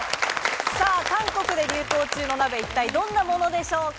韓国で流行中の鍋、一体どんなものでしょうか？